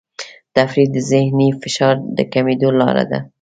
تفریح د ذهني فشار د کمېدو لاره ده.